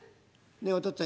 「ねえお父っつぁん！